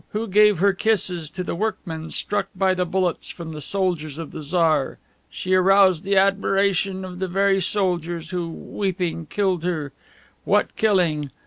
Who gave her kisses to the workmen struck by the bullets from the soldiers of the Czar; "She aroused the admiration of the very soldiers who, weeping, killed her: "What killing!